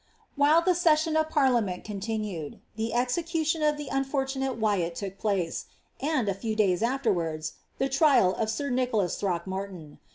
^ Whilst the session of parliament continued, the execution of the vnfortunate Wyatt took place, and, a few da3rs afterwards, the trial of air Nicholas Throckmorton.